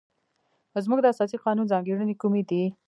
زموږ د اساسي قانون ځانګړنې کومې دي؟